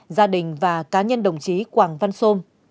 gia đình và cá nhân đồng chí quảng văn sôm